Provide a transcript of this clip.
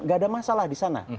gak ada masalah di sana